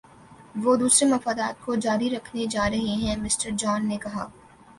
وہ دوسرے مفادات کو جاری رکھنے جا رہے ہیں مِسٹر جان نے کہا